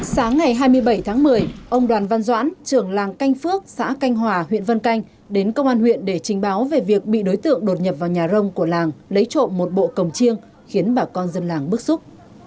sáng ngày hai mươi bảy tháng một mươi ông đoàn văn doãn trưởng làng canh phước xã canh hòa huyện vân canh đến công an huyện để trình báo về việc bị đối tượng đột nhập vào nhà rông của làng lấy trộm một bộ cồng chiêng khiến bà con dân làng bức xúc